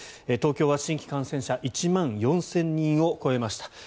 東京は新規感染者１万４０００人を超えました。